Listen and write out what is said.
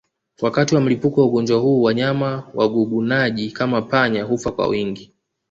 Wakati wa mlipuko wa ugonjwa huu wanyama wagugunaji kama panya hufa kwa wingi